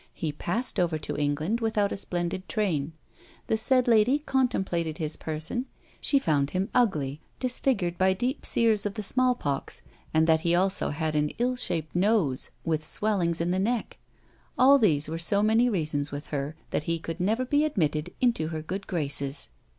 He passed over to England without a splendid train. The said lady contemplated his person: she found him ugly, disfigured by deep sears of the small pox, and that he also had an ill shaped nose, with swellings in the neck! All these were so many reasons with her, that he could never be admitted into her good graces."